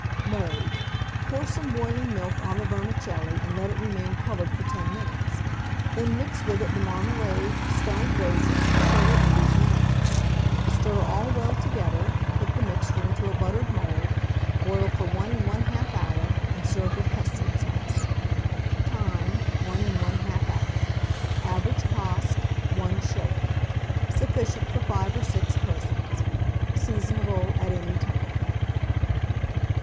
Mode. Pour some boiling milk on the vermicelli, and let it remain covered for 10 minutes; then mix with it the marmalade, stoned raisins, sugar, and beaten eggs. Stir all well together, put the mixture into a buttered mould, boil for 1 1/2 hour, and serve with custard sauce. Time. 1 1/2 hour. Average cost. 1s. Sufficient for 5 or 6 persons. Seasonable at any time.